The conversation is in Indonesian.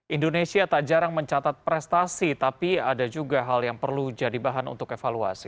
indonesia tak jarang mencatat prestasi tapi ada juga hal yang perlu jadi bahan untuk evaluasi